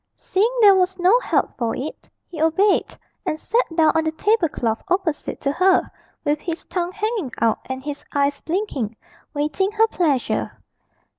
Seeing there was no help for it, he obeyed, and sat down on the table cloth opposite to her, with his tongue hanging out and his eyes blinking, waiting her pleasure.